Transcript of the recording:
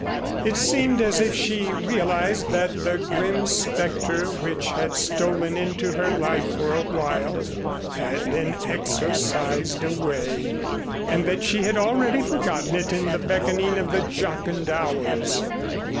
It seemed as if she realized that the grim specter which had stolen into her life for a while had been exorcised away, and that she had already forgotten it in the beckoning of the jocund hours.